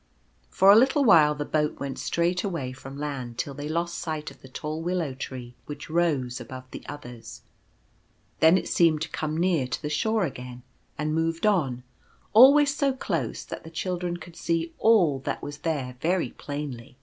For a little while the boat went straight away from land till they lost sight of the tall Willow tree which rose above the others. Then it seemed to come near to the shore again, and moved on, always so close that the children could see all that was there very plainly.